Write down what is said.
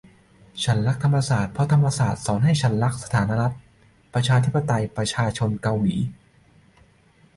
ฉันรักธรรมศาสตร์ เพราะธรรมศาสตร์สอนให้ฉันรักสาธารณรัฐประชาธิปไตยประชาชนเกาหลี